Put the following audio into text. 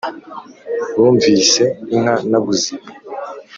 Bumvise inka naguze